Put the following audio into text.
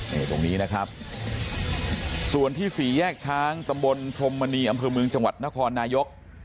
นี่ตรงนี้นะครับส่วนที่สี่แยกช้างตำบลพรมมณีอำเภอเมืองจังหวัดนครนายก